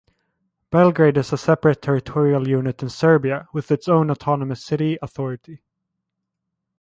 Belgrade is a separate territorial unit in Serbia, with its own autonomous city authority.